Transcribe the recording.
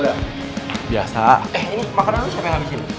eh ini makanan udah siapa yang habisin